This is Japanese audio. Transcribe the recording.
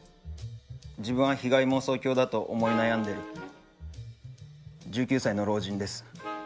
自分は被害妄想狂だと思い悩んでる１９歳の老人です。